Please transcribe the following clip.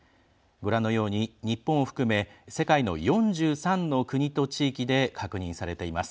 ご覧のように日本を含め世界の４３の国と地域で確認されています。